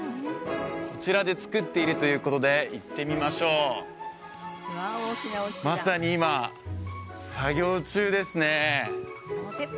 こちらで作っているということで行ってみましょうまさに今作業中ですね